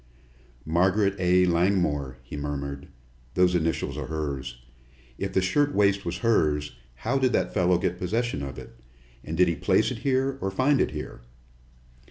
"Margaret A. Langmore," he murmured. "Those initials are hers. If the shirtwaist was hers, how did that fellow get possession of it? And did he place it here or find it here?"